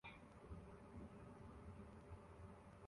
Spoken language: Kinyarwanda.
Abashakanye bicaye hejuru yimodoka bafite umugongo kuri kamera